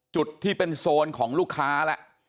จุดที่เป็นโซนของลูกค้าแล้ว